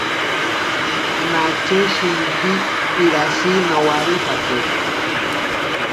Nache shinki irashi nowaripate.